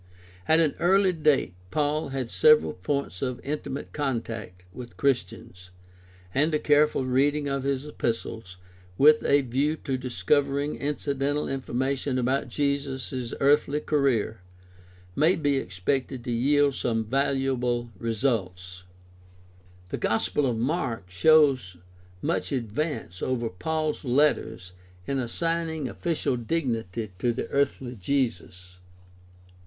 At an early date Paul had several points of intimate contact with Christians, and a careful reading of his epistles, with a view to discovering incidental information about Jesus' earthly career, may be expected to yield some valuable results (e.g.. Gal. 3:13; 4:4; I Cor. 11:23 ff.; 15:5; II Cor. 8:9; 10:1; Rom. 7:1; 15:3; Phil. 2:5). The Gospel of Mark shows much advance over Paul's letters in assigning official dignity to the earthly Jesus.